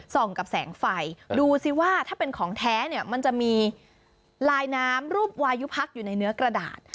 กับแสงไฟดูสิว่าถ้าเป็นของแท้เนี่ยมันจะมีลายน้ำรูปวายุพักอยู่ในเนื้อกระดาษ